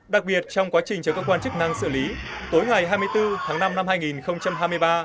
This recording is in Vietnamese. đặc biệt trong quá trình cho cơ quan chức năng xử lý tối ngày hai mươi bốn tháng năm năm hai nghìn hai mươi ba